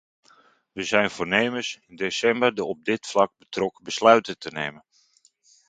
We zijn voornemens in december de op dit vlak betrokken besluiten te nemen.